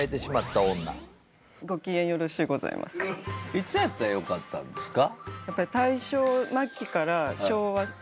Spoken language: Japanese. いつやったらよかったんですか？